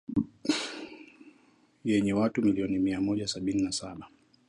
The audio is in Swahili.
yenye watu milioni mia Mmoja sabini na saba